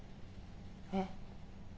えっ？